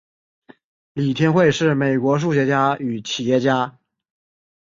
李天惠是美国数学家与企业家。